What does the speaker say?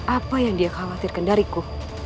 apa yang dia khawatirkan dariku